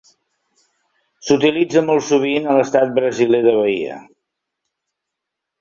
S'utilitza molt sovint a l'estat brasiler de Bahia.